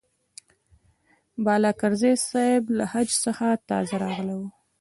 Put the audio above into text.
بالاکرزی صاحب له حج څخه تازه راغلی و.